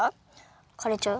かれちゃう？